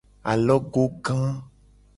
Alogoga.